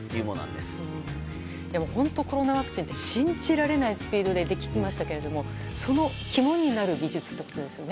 でも本当、コロナワクチンって信じられないスピードでできましたけど、その肝になる技術ってことですよね。